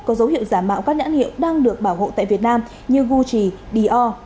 có dấu hiệu giả mạo các nhãn hiệu đang được bảo hộ tại việt nam như gucci dior